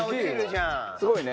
すごいね！